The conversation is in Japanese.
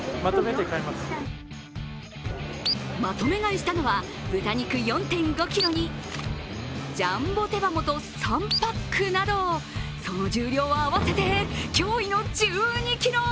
まとめ買いしたのは豚肉４．５ｋｇにジャンボ手羽元３パックなどその重量は、合わせて驚異の１２ｋｇ。